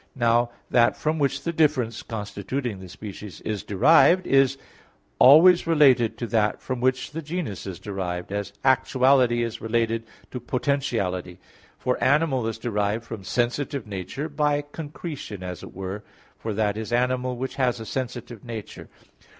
Now that from which the difference constituting the species is derived, is always related to that from which the genus is derived, as actuality is related to potentiality. For animal is derived from sensitive nature, by concretion as it were, for that is animal, which has a sensitive nature.